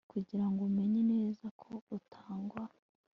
kugirango umenye neza ko utagwa